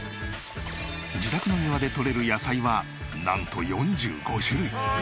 自宅の庭で採れる野菜はなんと４５種類！